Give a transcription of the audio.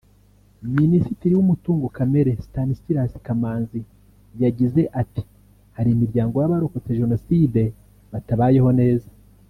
Minisitiri w’ umutungo kamere Stanislas Kamanzi yagize ati “Hari imiryango y’Abarokotse Jenoside batabayeho neza